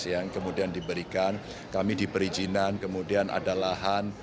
yang kemudian diberikan kami diperizinan kemudian ada lahan